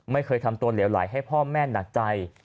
ไม่เคยทำตัวเหลวไหลให้พ่อแม่หนักใจ